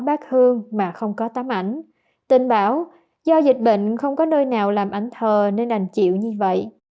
bác hương mà không có tấm ảnh tin báo do dịch bệnh không có nơi nào làm ảnh thờ nên anh chịu như vậy